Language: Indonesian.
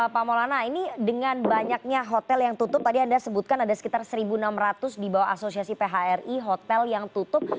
pak maulana ini dengan banyaknya hotel yang tutup tadi anda sebutkan ada sekitar satu enam ratus di bawah asosiasi phri hotel yang tutup